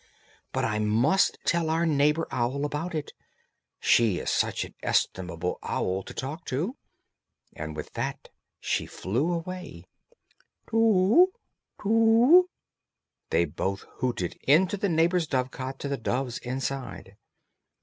"But I must tell our neighbour owl about it; she is such an estimable owl to talk to." And with that she flew away. "Too whoo! Too whoo!" they both hooted into the neighbour's dove cot to the doves inside.